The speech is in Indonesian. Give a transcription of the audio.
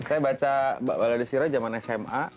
saya baca mbak balade sira zaman sma